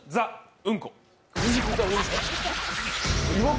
ＴＨＥうんこ。